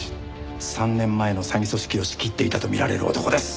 ３年前の詐欺組織を仕切っていたとみられる男です！